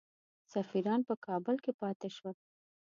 سفیران په کابل کې پاته شول.